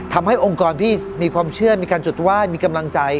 องค์กรที่มีความเชื่อมีการจุดไหว้มีกำลังใจ